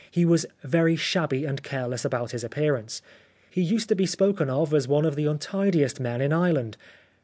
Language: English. He was very shabby and careless about his appearance. He used to be spoken of as one of the untidiest men in Ireland.